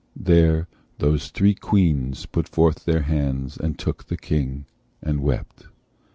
There those three Queens Put forth their hands, and took the King, and wept.